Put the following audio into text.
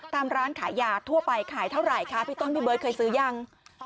ร้านขายยาทั่วไปขายเท่าไหร่คะพี่ต้นพี่เบิร์ตเคยซื้อยัง